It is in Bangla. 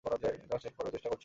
জাস্ট হেল্প করার চেষ্টা করছি।